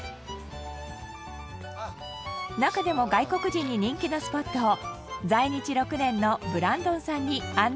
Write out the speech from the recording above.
中でも外国人に人気のスポットを在日６年のブランドンさんに案内してもらいました。